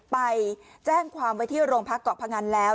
ไปแจ้งความวิทยาลงภักดิ์กรอกภังกรรณแล้ว